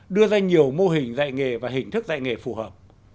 đưa ra nhiều mô hình dạy nghề và hình thức dạy nghề phù hợp